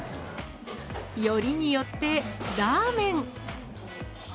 よりによってラーメン。